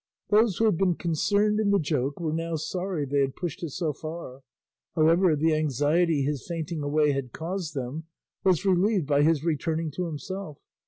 Those who had been concerned in the joke were now sorry they had pushed it so far; however, the anxiety his fainting away had caused them was relieved by his returning to himself.